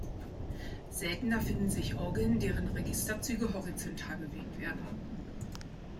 Seltener finden sich Orgeln deren Registerzüge horizontal bewegt werden.